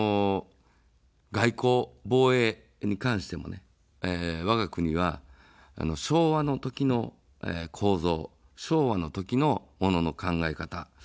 外交、防衛に関してもね、わが国は、昭和の時の構造、昭和の時のものの考え方。